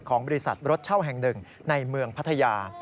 ของบริษัทรถเช่าแห่งหนึ่งในเมืองพัทยา